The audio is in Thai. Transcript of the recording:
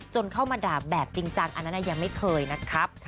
เข้ามาด่าแบบจริงจังอันนั้นยังไม่เคยนะครับ